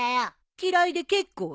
嫌いで結構よ。